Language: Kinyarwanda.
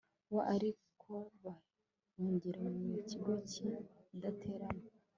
bo ariko bahungira mu kigo cy'i datema